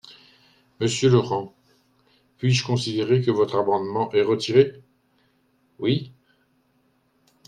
Monsieur Laurent, puis-je considérer que votre amendement est retiré ? Oui.